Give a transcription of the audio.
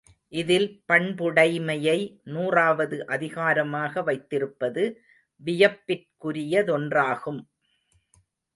இதில் பண்புடைமையை நூறாவது அதிகரமாக வைத்திருப்பது வியப்பிற்குரியதொன்றாகும்.